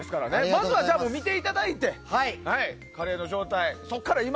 まずは見ていただいてカレーの状態。